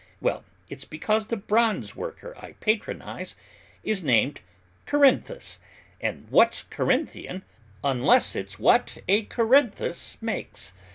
Well, it's because the bronze worker I patronize is named Corinthus, and what's Corinthian unless it's what a Corinthus makes?